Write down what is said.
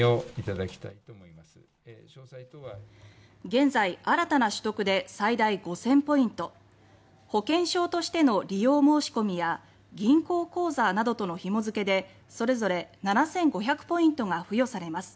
現在、新たな取得で最大５０００ポイント保険証としての利用申し込みや銀行口座などとのひも付けでそれぞれ７５００ポイントが付与されます。